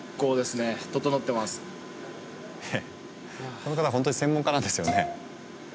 えっこの方ホントに専門家なんですよね？